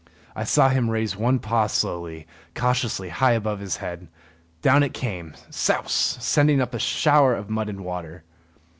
I saw him raise one paw slowly, cautiously, high above his head. Down it came, souse! sending up a shower of mud and water.